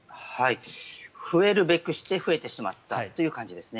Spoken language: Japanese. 増えるべくして増えてしまったという感じですね。